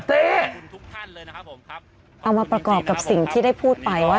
แต่หนูจะเอากับน้องเขามาแต่ว่า